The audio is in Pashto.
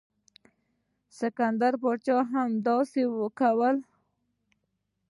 سکندر پاچا هم همداسې کول.